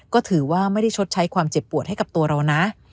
ความเจ็บปวดให้กับตัวเรานะ